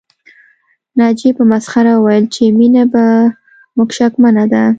ناجيې په مسخره وويل چې مينه په موږ شکمنه ده